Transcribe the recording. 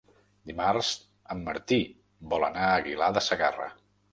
Dimarts en Martí vol anar a Aguilar de Segarra.